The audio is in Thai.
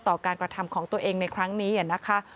ต่อการกระทำของตัวเองในครั้งนี้นะคะ